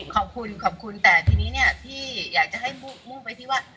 ขอบคุณขอบคุณแต่ทีนี้เนี่ยที่อยากจะให้มุ่งไปที่ว่า